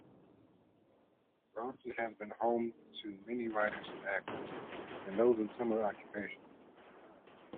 Brompton has been home to many writers and actors, and those in similar occupations.